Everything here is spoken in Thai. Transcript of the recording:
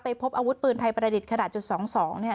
พบอาวุธปืนไทยประดิษฐ์ขนาดจุด๒๒เนี่ย